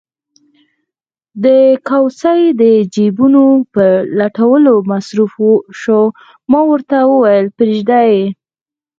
د کوسۍ د جېبونو په لټولو مصروف شو، ما ورته وویل: پرېږده یې.